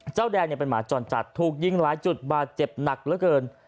เจ้าแดงเป็นหมาจรจัดถูกยิงหลายจุดบาดเจ็บหนักเหลือเกิน